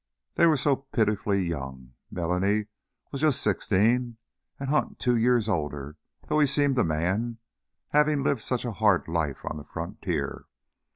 They were so pitifully young! Melanie was just sixteen and Hunt two years older, though he seemed a man, having lived such a hard life on the frontier.